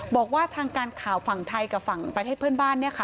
บอกว่าทางการข่าวฝั่งไทยกับฝั่งประเทศเพื่อนบ้าน